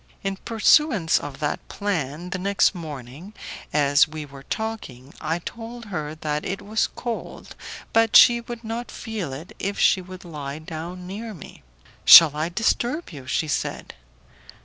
In pursuance of that plan, the next morning, as we were talking, I told her that it was cold, but that she would not feel it if she would lie down near me. "Shall I disturb you?" she said.